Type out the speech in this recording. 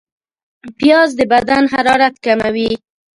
پیاز د بدن حرارت کموي